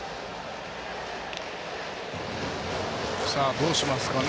どうしますかね。